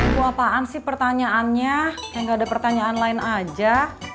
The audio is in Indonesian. itu apaan sih pertanyaannya kayak gak ada pertanyaan lain aja